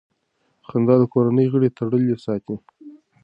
خندا د کورنۍ غړي تړلي ساتي.